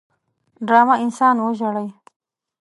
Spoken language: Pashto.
ډرامه انسان وژاړي